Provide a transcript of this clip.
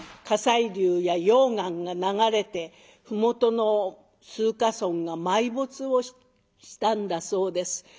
火砕流や溶岩が流れて麓の数か村が埋没をしたんだそうです。